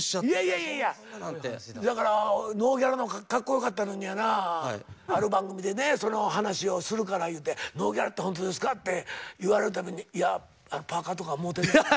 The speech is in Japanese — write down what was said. いやいやだからノーギャラのがかっこよかったのにやなある番組でねその話をするから言うて「ノーギャラってホントですか？」って言われるたびに「いやパーカーとかもうてんねん」って。